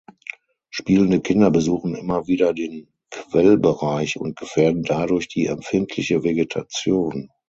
Spielende Kinder besuchen immer wieder den Quellbereich und gefährden dadurch die empfindliche Vegetation.